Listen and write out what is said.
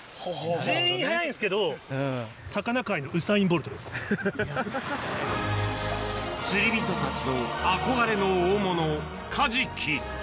全員速いんですけど、釣り人たちの憧れの大物、カジキ。